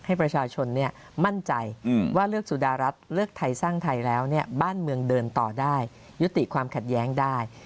ให้ประชาชนมั่นใจว่าเลือกสุดารัฐเลือกไทยสร้างไทยแล้วบ้านเมืองเดินต่อได้ยุติความขัดแย้งได้